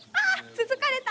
つつかれた。